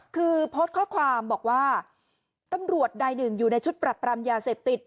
คือโพสต์ข้อความบอกว่าตำรวจนายหนึ่งอยู่ในชุดปรับปรามยาเสพติด